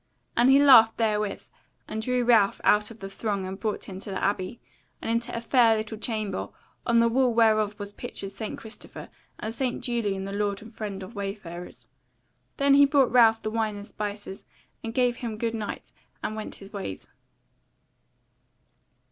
And he laughed therewith, and drew Ralph out of the throng and brought him into the Abbey, and into a fair little chamber, on the wall whereof was pictured St. Christopher, and St. Julian the lord and friend of wayfarers. Then he brought Ralph the wine and spices, and gave him good night, and went his ways.